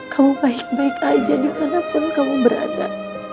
kamu baik baik aja dimanapun kamu berada